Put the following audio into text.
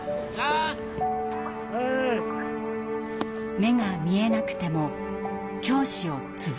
目が見えなくても教師を続けたい。